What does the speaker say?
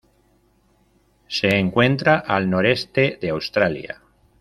Se encuentra al noreste de Australia.